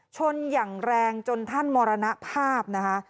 ชนอย่างแรงจนท่านมรณภาพนะคะ